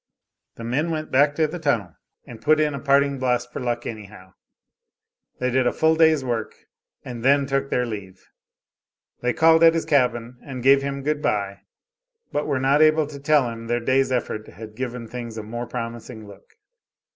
The men went back to the tunnel and "put in a parting blast for luck" anyhow. They did a full day's work and then took their leave. They called at his cabin and gave him good bye, but were not able to tell him their day's effort had given things a mere promising look.